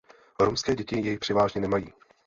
Romské děti jej převážně nemají.